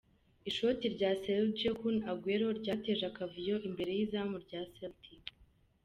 Ishoti rya Sergio Kun Aguero ryateje akavuyo imbere y'izamu rya Celtic.